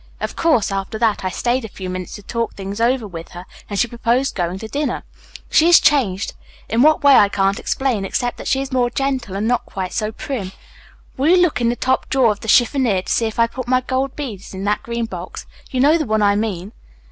Of course, after that I stayed a few minutes to talk things over with her and she proposed going to dinner. She is changed. In just what way I can't explain, except that she is more gentle and not quite so prim. Will you look in the top drawer of the chiffonier and see if I put my gold beads in that green box? You know the one I mean."